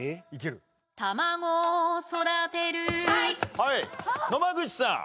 はい野間口さん。